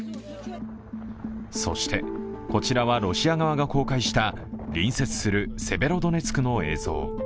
そして、こちらはロシア側が公開した隣接するセベロドネツクの映像。